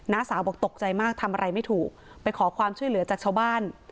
สาวบอกตกใจมากทำอะไรไม่ถูกไปขอความช่วยเหลือจากชาวบ้าน